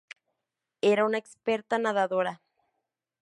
Era una experta nadadora.